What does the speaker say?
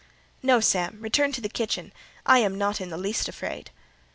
"No, Sam, return to the kitchen: I am not in the least afraid."